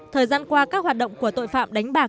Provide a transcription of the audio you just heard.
thời gian qua các hoạt động của tội phạm đánh bạc